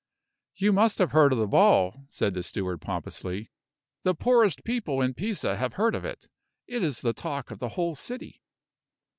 "You must have heard of the ball," said the steward, pompously; "the poorest people in Pisa have heard of it. It is the talk of the whole city."